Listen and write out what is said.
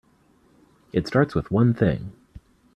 It starts with one thing.